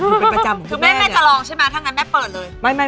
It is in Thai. ถึงแม่จะลองใช่ไหมถ้างั้นแม่เปิดเลย